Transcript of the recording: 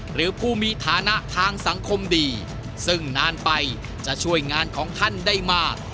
หรือผู้มีฐานะทางสังคมดีซึ่งนานไปจะช่วยงานของท่านได้มาก